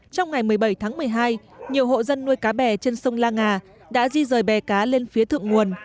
trong ngày một mươi bảy tháng một mươi hai nhiều hộ dân nuôi cá bè trên sông la ngà đã di rời bè cá lên phía thượng nguồn